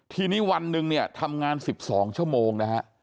ทีนี้วันหนึ่งเนี่ยทำงาน๑๒ชั่วโมงนะฮะ